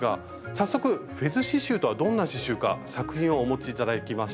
早速フェズ刺しゅうとはどんな刺しゅうか作品をお持ち頂きました。